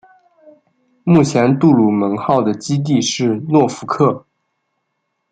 目前杜鲁门号的基地是诺福克。